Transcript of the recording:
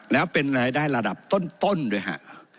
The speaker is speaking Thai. แล้วเป็นรายได้ระดับต้นด้วยฮะ